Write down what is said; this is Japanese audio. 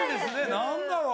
何だろう？